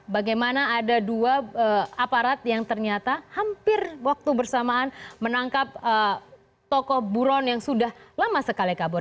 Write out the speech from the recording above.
bagaimana ada dua aparat yang ternyata hampir waktu bersamaan menangkap tokoh buron yang sudah lama sekali kabur